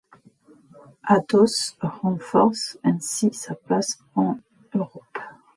Atos renforce ainsi sa place en Europe.